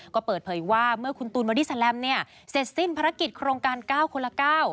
ก็เปิดเผยว่าเมื่อคุณตูนบอดี้แลมเนี่ยเสร็จสิ้นภารกิจโครงการ๙คนละ๙